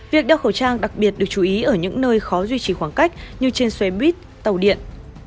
việc đeo khẩu trang đặc biệt được chú ý ở những nơi khó duy trì khoảng cách như trên xe buýt tàu điện